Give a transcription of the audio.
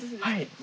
はい。